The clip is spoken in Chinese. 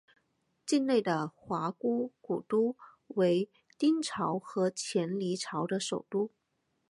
境内的华闾古都为丁朝和前黎朝的首都。